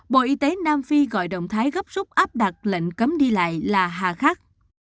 bộ y tế nam phi gọi động thái gấp rút áp đặt lệnh cấm đi lại là hà khắc